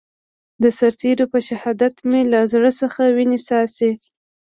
د سرتېرو په شهادت مې له زړه څخه وينې څاڅي.